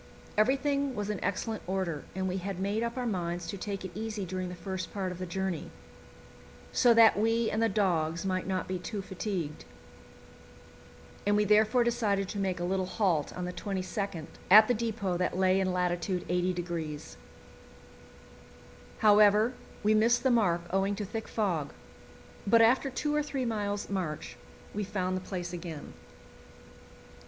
Everything was in excellent order, and we had made up our minds to take it easy during the first part of the journey, so that we and the dogs might not be too fatigued, and we therefore decided to make a little halt on the 22nd at the depot that lay in lat. 80°. However, we missed the mark owing to thick fog, but after two or three miles' march we found the place again.